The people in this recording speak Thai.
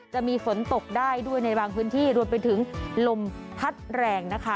จะมีฝนตกได้ด้วยในบางพื้นที่รวมไปถึงลมพัดแรงนะคะ